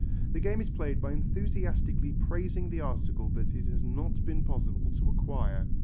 The game is played by enthusiastically praising the article that it has not been possible to acquire.